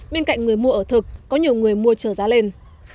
bên cạnh người mua ở thực có nhiều người mua trở giá lên